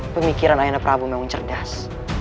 pemikiran ayah anda prabu memang cerdas